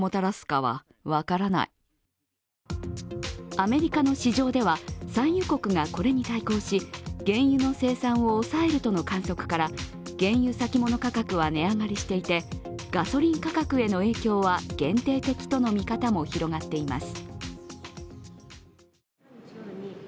アメリカの市場では、産油国がこれに対抗し原油の生産を抑えるとの観測から原油先物価格は値上がりしていて、ガソリン価格への影響は限定的との見方も広がっています。